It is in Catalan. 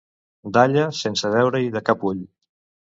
Dalla sense veure-hi de cap ull.